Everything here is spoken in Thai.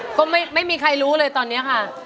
ก็ไม่มีใครรู้เลยตอนนี้ค่ะ